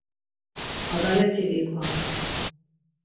Adaleti viǩvan.